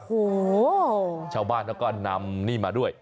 โอ้โหชาวบ้านเขาก็นำนี่มาด้วย